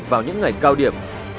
vào những ngày cao điểm